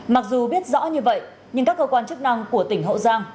mặc dù biết rõ như vậy nhưng các cơ quan chức năng của tỉnh hậu giang